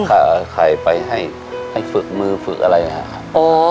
ใช่ค่ะขายไปให้ฝึกมือฝึกอะไรนะครับ